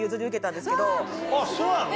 あっそうなの？